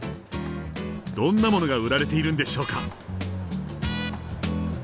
どんなものが売られているんでしょうか？